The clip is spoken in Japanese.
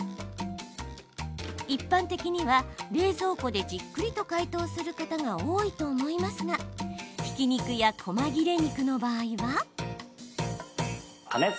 一般的には冷蔵庫でじっくりと解凍する方が多いと思いますがひき肉やこま切れ肉の場合は。